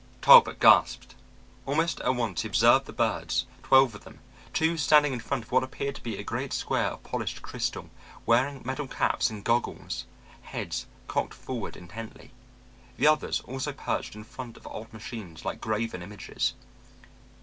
Talbot gasped. Almost at once he observed the birds, twelve of them, two standing in front of what appeared to be a great square of polished crystal, wearing metal caps and goggles, heads cocked forward intently. The others also perched in front of odd machines like graven images.